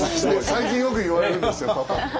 最近よく言われるんですよパパって。